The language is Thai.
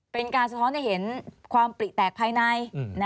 เป็นการสะท้อนให้เห็นความปลิแตกภายใน